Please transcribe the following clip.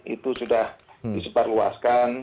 itu sudah disebar luaskan